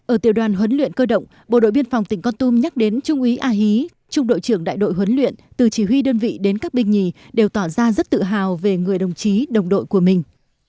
ở tiểu đoàn huấn luyện cơ động bộ đội biên phòng tỉnh con tum nhắc đến trung úy a hí trung đội trưởng đại đội huấn luyện từ chỉ huy đơn vị đến các binh nhì đều tỏ ra rất tự hào về người đồng chí đồng đội của mình